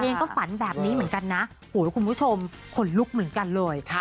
ตัวเองก็ฝันแบบนี้เหมือนกันน่ะโอ้ยคุณผู้ชมคนลุกเหมือนกันเลยค่ะ